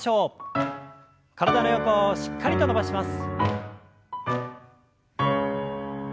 体の横をしっかりと伸ばします。